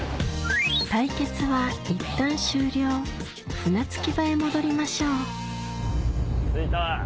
対決はいったん終了船着場へ戻りましょう着いた。